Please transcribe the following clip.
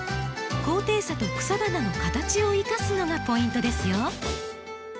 高低差と草花の形を生かすのがポイントですよ。